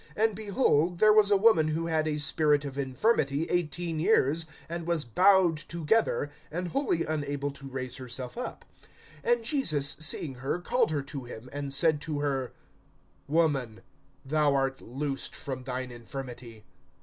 (11)And, behold, there was a woman who had a spirit of infirmity eighteen years, and was bowed together, and wholly unable to raise herself up. (12)And Jesus seeing her, called her to him, and said to her: Woman, thou art loosed from thine infirmity.